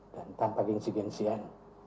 dan tanpa gengsian gensian